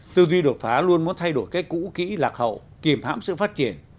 tư duy đột phá luôn muốn thay đổi cách cũ kỹ lạc hậu kìm hãm sự phát triển